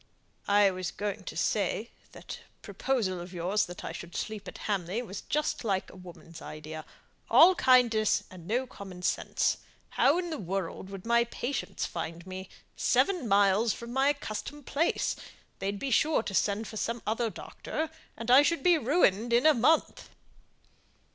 "I was going to say that proposal of yours that I should sleep at Hamley was just like a woman's idea all kindness, and no common sense. How in the world would my patients find me out, seven miles from my accustomed place? They'd be sure to send for some other doctor, and I should be ruined in a month."